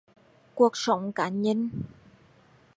Cuộc sống cá nhân